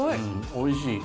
おいしい。